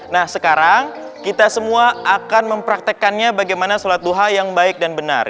nah sekarang kita semua akan mempraktekannya bagaimana sholat duha yang baik dan benar